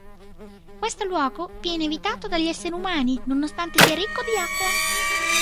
Questo luogo viene evitato dagli esseri umani nonostante sia ricco di acqua.